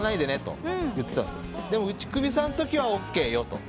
でも打首さんのときはＯＫよと。